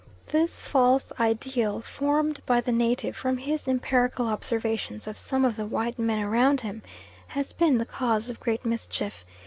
This false ideal formed by the native from his empirical observations of some of the white men around him, has been the cause of great mischief.